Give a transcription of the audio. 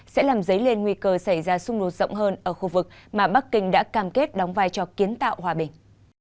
sẽ làm dấy lên nguy cơ xảy ra xung đột rộng hơn ở khu vực mà bắc kinh đã cam kết đóng vai trò kiến tạo hòa bình